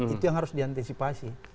itu yang harus diantisipasi